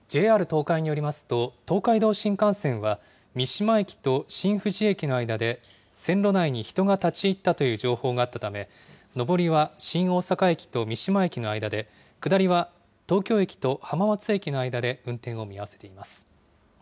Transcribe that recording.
ＪＲ東海によりますと、東海道新幹線は三島駅と新富士駅の間で、線路内に人が立ち入ったという情報があったため、上りは新大阪駅と三島駅の間で、下りは東京駅と浜松駅の間で運転を見合わせています。